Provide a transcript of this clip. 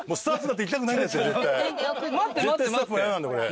絶対スタッフも嫌なんだこれ。